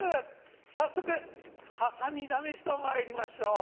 早速ハサミ試しとまいりましょう。